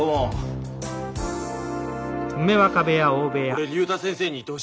俺竜太先生にいてほしい。